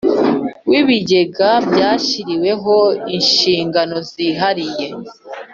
W ibigega byashyiriweho inshingano zihariye